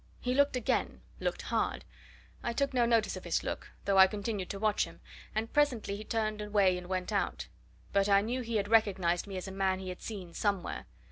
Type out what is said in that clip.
He looked again looked hard. I took no notice of his look, though I continued to watch him, and presently he turned away and went out. But I knew he had recognized me as a man he had seen somewhere.